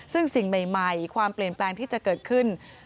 ซึ่งสิ่งใหม่ความเปลี่ยนแปลงที่จะเกิดขึ้น